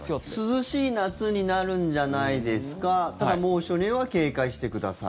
涼しい夏になるんじゃないですかただ猛暑には警戒してください。